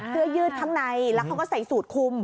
เสื้อยืดข้างในแล้วเขาก็ใส่สูตรคุม